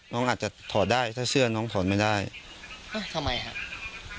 น้องอาจจะถอดได้ถ้าเสื้อน้องถอดไม่ได้เอ้าทำไมครับ